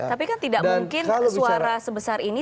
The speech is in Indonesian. tapi kan tidak mungkin suara sebesar ini